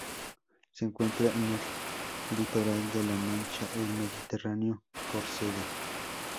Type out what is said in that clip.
Se encuentran en el litoral de la Mancha, el Mediterráneo, Córcega.